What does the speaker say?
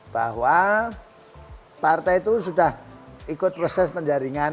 bahwa partai itu sudah ikut proses penjaringan